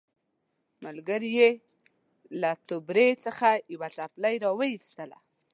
ملګري یې له توبرې څخه یوه څپلۍ راوایستله.